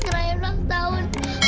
kerah yang ulang tahun